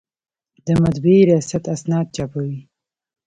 د مطبعې ریاست اسناد چاپوي